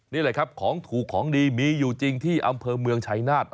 นี่แหละครับของถูกของดีมีอยู่จริงที่อำเภอเมืองชายนาฏ